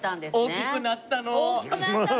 大きくなったのね。